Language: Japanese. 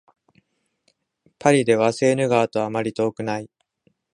パリではセーヌ川とあまり遠くない